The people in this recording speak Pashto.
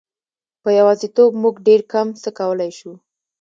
په یوازیتوب موږ ډېر کم څه کولای شو.